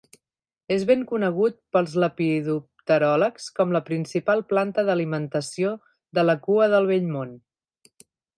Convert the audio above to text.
És ben conegut pels lepidopteròlegs com la principal planta d'alimentació de la cua del Vell Món.